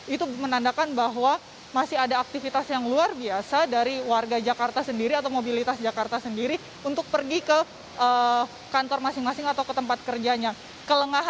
itu menandakan bahwa masih ada aktivitas yang luar biasa dari warga jakarta sendiri atau mobilitas jakarta sendiri untuk pergi ke kantor masing masing atau ke tempat kerjanya